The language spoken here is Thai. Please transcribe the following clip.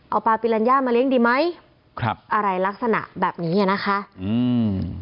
เอาปลาปิลัญญามาเลี้ยงดีไหมครับอะไรลักษณะแบบนี้อ่ะนะคะอืม